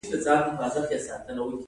دوهم د زده کوونکي فزیالوجیکي حالت دی.